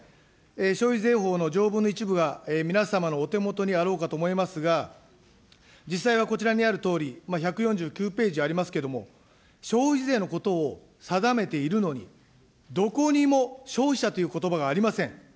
消費税法の条文の一部は、皆様のお手元にあろうかと思いますが、実際はこちらにあるとおり、１４９ページありますけれども、消費税のことを定めているのに、どこにも消費者ということばがありません。